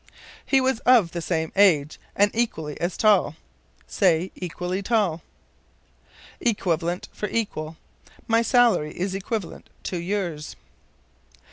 "He was of the same age, and equally as tall." Say, equally tall. Equivalent for Equal. "My salary is equivalent to yours."